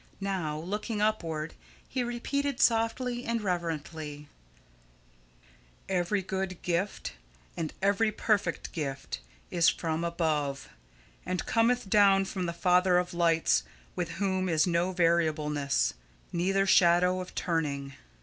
Now, looking upward, he repeated softly and reverently: "'Every good gift and every perfect gift is from above, and cometh down from the Father of lights, with whom is no variableness, neither shadow of turning.'